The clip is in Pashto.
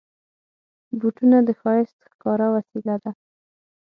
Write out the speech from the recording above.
بوټونه د ښایست ښکاره وسیله ده.